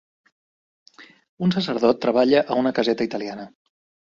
Un sacerdot treballa a una caseta italiana.